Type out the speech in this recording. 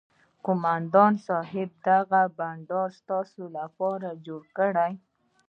قومندان صايب دغه بنډار ستا لپاره جوړ کړى.